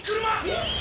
えっ！